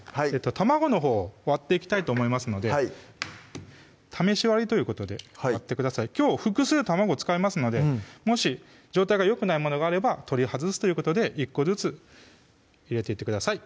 卵のほう割っていきたいと思いますので試し割りということで割ってくださいきょう複数卵使いますのでもし状態がよくないものがあれば取り外すということで１個ずつ入れていってください